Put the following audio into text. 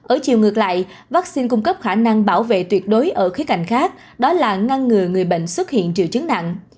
ở chiều ngược lại vaccine cung cấp khả năng bảo vệ tuyệt đối ở khía cạnh khác đó là ngăn ngừa người bệnh xuất hiện triệu chứng nặng